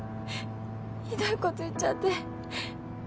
ひどいこと言っちゃって。